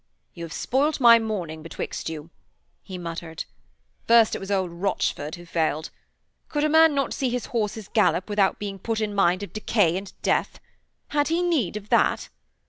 'You have spoilt my morning betwixt you,' he muttered. First it was old Rochford who failed. Could a man not see his horses gallop without being put in mind of decay and death? Had he need of that?